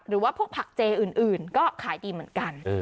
หรือว่าพวกผักเจอื่นก็ขายดีเหมือนกัน